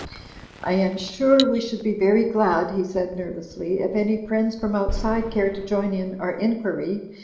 "I am sure we should be very glad," he said, ner vously, "if any friends from outside care to join in our inquiry.